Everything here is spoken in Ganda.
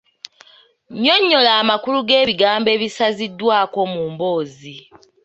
Nnyonnyola amakulu g’ebigambo ebisaziddwaako mu mboozi.